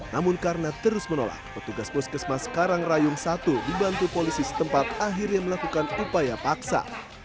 namun karena terus menolak petugas puskesmas karangrayung satu dibantu polisi setempat akhirnya melakukan upaya paksa